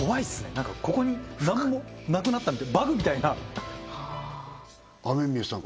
何かここに何もなくなったみたいバグみたいな雨宮さん